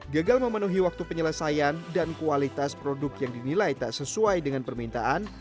gagal memenuhi waktu penyelesaian dan kualitas produk yang dinilai tak sesuai dengan permintaan